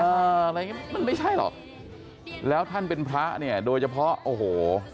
อะไรอย่างงี้มันไม่ใช่หรอกแล้วท่านเป็นพระเนี่ยโดยเฉพาะโอ้โห